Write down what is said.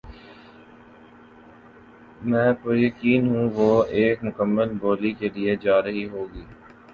میں پُریقین ہوں وہ ایک مکمل بولی کے لیے جا رہے ہوں گے